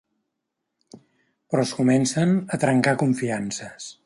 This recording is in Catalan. Però es comencen a trencar confiances.